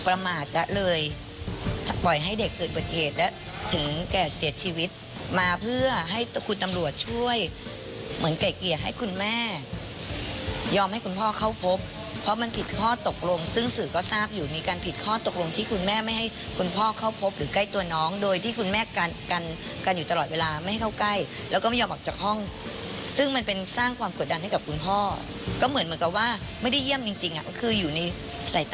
อัลฟิล์มปริศนีรปริศนีรอัลฟิล์มปริศนีรอัลฟิล์มปริศนีรอัลฟิล์มปริศนีรอัลฟิล์มปริศนีรอัลฟิล์มปริศนีรอัลฟิล์มปริศนีรอัลฟิล์มปริศนีรอัลฟิล์มปริศนีรอัลฟิล์มปริศนีรอัลฟิล์มปริศนีรอัลฟ